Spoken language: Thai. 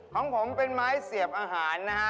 ของผมเป็นไม้เสียบอาหารนะฮะ